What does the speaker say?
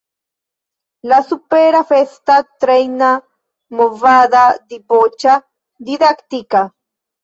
La supera festa, trejna, movada, diboĉa, didaktika